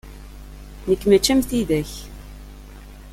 Nekk mačči am tidak.